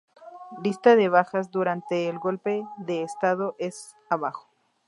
Lista de bajas durante el golpe de estado es abajo